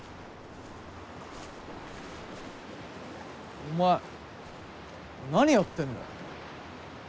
お前何やってんだよ。